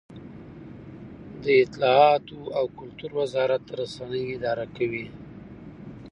د اطلاعاتو او کلتور وزارت رسنۍ اداره کوي